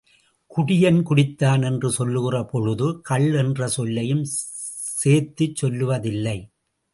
குடியன் குடித்தான் என்று சொல்லுகிற பொழுது கள் என்ற சொல்லையும் சோத்துச் சொல்லுவதில்லை.